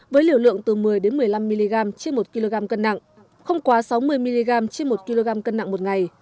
với liều lượng từ một mươi một mươi năm mg trên một kg cân nặng không quá sáu mươi mg trên một kg cân nặng một ngày